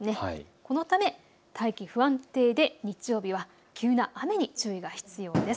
このため大気不安定で日曜日は急な雨に注意が必要です。